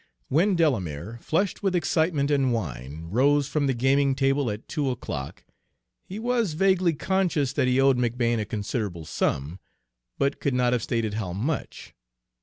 When Delamere, flushed with excitement and wine, rose from the gaming table at two o'clock, he was vaguely conscious that he owed McBane a considerable sum, but could not have stated how much.